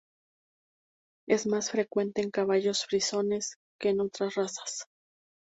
Es más frecuente en caballos frisones que en otras razas.